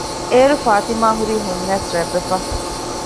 އޭރު ފާތިމާ ހުރީ ހުންއައިސް ރަތްވެފަ